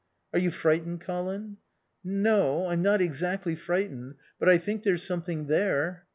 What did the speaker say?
"Are you frightened, Colin?" "No. I'm not exactly frightened, but I think there's something there."